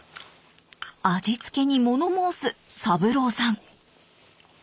味付けにもの申す三郎さん。